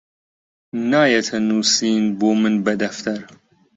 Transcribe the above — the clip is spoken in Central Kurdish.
نایەتە نووسین بۆ من بە دەفتەر